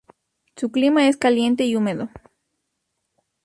Su clima es caliente y húmedo.